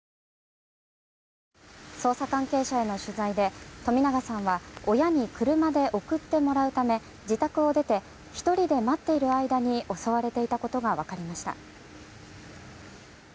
捜査関係者への取材で冨永さんは親に車で送ってもらうため自宅を出て１人で待っている間に襲われていたことが分かりました。